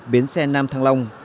biến xe nam thăng long